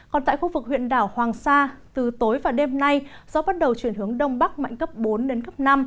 còn tại khu vực huyện đảo hoàng sa từ tối và đêm nay gió bắt đầu chuyển hướng đông bắc mạnh cấp bốn đến cấp năm